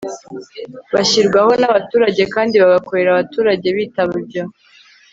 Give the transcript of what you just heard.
bashyirwaho n'abaturage kandi bagakorera abaturage bitaba ibyo